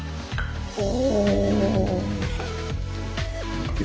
お！